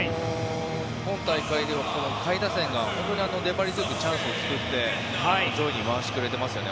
今大会では下位打線が本当に粘り強くチャンスを作って上位に回してくれてますよね。